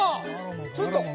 ちょっと！